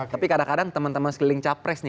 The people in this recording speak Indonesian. tapi kadang kadang teman teman sekeliling capres nih